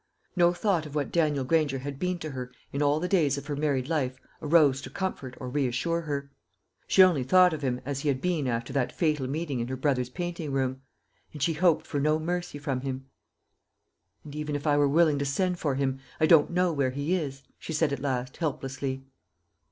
No thought of what Daniel Granger had been to her in all the days of her married life arose to comfort or reassure her. She only thought of him as he had been after that fatal meeting in her brother's painting room; and she hoped for no mercy from him. "And even if I were willing to send for him, I don't know where he is," she said at last helplessly.